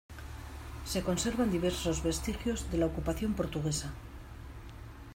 Se conservan diversos vestigios de la ocupación portuguesa.